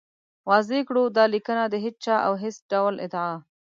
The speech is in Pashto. واضح کړو، دا لیکنه د هېچا او هېڅ ډول ادعا